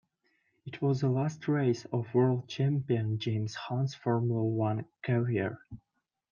It was the last race of World Champion James Hunt's Formula One career.